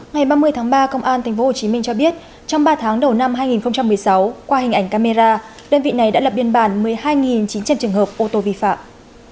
ngày ba mươi tháng ba công an tp hcm cho biết trong ba tháng đầu năm hai nghìn một mươi sáu qua hình ảnh camera đơn vị này đã lập biên bản một mươi hai chín trăm linh trường hợp ô tô vi phạm